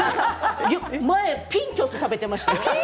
昔ピンチョス食べてましたよ。